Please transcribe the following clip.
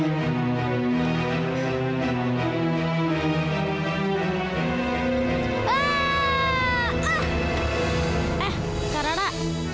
eh kak rara